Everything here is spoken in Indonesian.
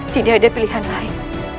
tidak ada pilihan lain